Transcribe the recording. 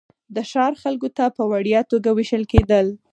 د ښار خلکو ته په وړیا توګه وېشل کېدل.